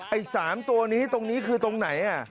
ไอ้๓ตัวนี้ตรงนี้คือตรงไหน